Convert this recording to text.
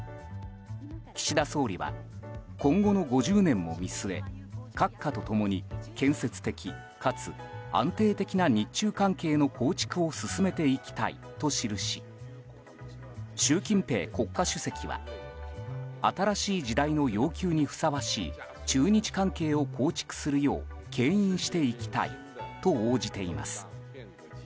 岸田総理は今後の５０年も見据え閣下と共に建設的かつ安定的な日中関係の構築を進めていきたいと記し習近平国家主席は新しい時代の要求にふさわしい中日関係を構築するようけん引していきたいと応じています。